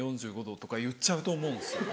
４５度とか言っちゃうと思うんですよ。